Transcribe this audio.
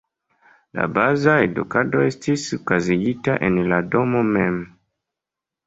La baza edukado estis okazigita en la domo mem.